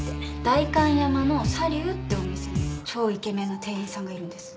代官山のサリューってお店に超イケメンの店員さんがいるんです。